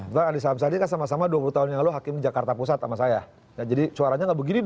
dari saat saat ini sama sama dua puluh tahun yang lalu hakim jakarta pusat sama saya jadi suaranya begini